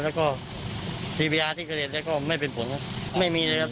แล้วก็ที่เครียดแล้วก็ไม่เป็นผลครับไม่มีเลยครับ